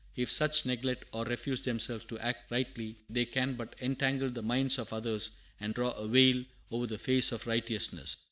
If such neglect or refuse themselves to act rightly, they can but "entangle the minds of others and draw a veil over the face of righteousness."